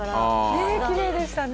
ねっきれいでしたね。